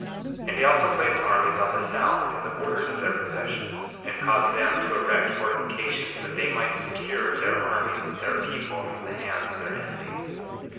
50:10 And he also placed armies on the south, in the borders of their possessions, and caused them to erect fortifications that they might secure their armies and their people from the hands of their enemies.